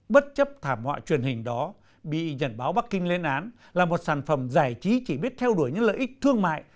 bất chấp thảm họa truyền hình đó bị nhận báo bắc kinh lên án là một sản phẩm giải trí chỉ biết theo đuổi những lợi ích thương mại